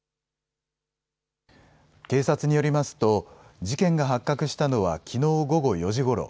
警察によりますと、事件が発覚したのはきのう午後４時ごろ。